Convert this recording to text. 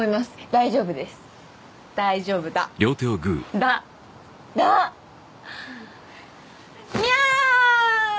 大丈夫です大丈夫だだだニャー！